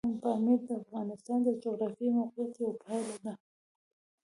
پامیر د افغانستان د جغرافیایي موقیعت یوه پایله ده.